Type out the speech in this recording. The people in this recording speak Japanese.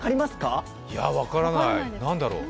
分からない、何だろう？